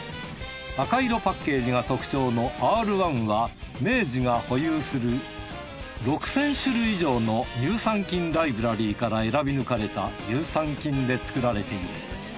赤色パッケージが特徴のＲ−１は明治が保有する６，０００種類以上の乳酸菌ライブラリーから選び抜かれた乳酸菌で作られている。